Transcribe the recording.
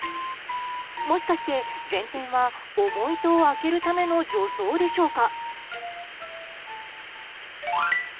もしかして、前転は重い戸を開けるための助走でしょうか。